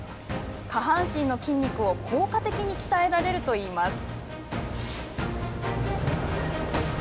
下半身の筋肉を効果的に鍛えられるといいます。